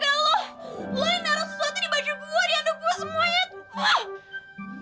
lo yang naro sesuatu di baju gue diandung gue semuanya tuh